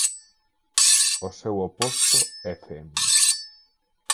O seu oposto é femia.